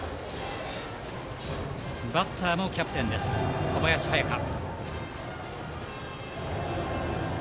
バッターのキャプテンです小林隼翔。